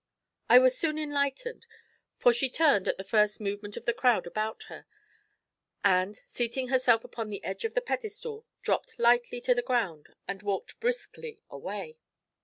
I was soon enlightened, for she turned at the first movement of the crowd about her, and, seating herself upon the edge of the pedestal, dropped lightly to the ground and walked briskly away.